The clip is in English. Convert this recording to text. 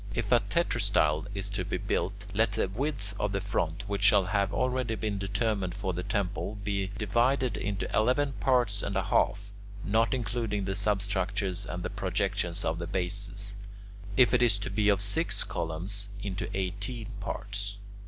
If a tetrastyle is to be built, let the width of the front which shall have already been determined for the temple, be divided into eleven parts and a half, not including the substructures and the projections of the bases; if it is to be of six columns, into eighteen parts.